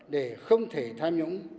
để không thể tham nhũng